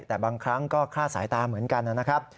แต่บางครั้งก็คลาดสายตาเหมือนกันนะครับ